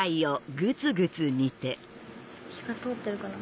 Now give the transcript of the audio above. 火が通ってるかな。